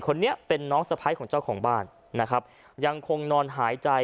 คนนี้เป็นน้องสะพ้ายของเจ้าของบ้านนะครับยังคงนอนหายใจ